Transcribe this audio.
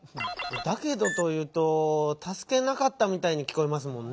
「だけど」というとたすけなかったみたいにきこえますもんね。